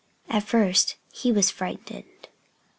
At first he was frightened.